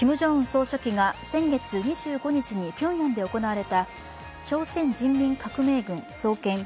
総書記が先月２５日にピョンヤンで行われた朝鮮人民革命軍創建